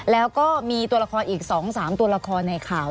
แล้วก็มีตัวละครอีก๒๓ตัวละครในข่าว